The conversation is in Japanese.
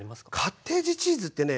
カッテージチーズってね